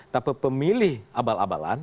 tapi pemilih abal abalan